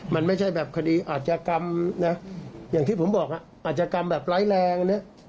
มันไม่ใช่แบบคดีอาจจะกรรมอย่างที่ผมบอกอ่ะอาจจะกรรมแบบไร้แรง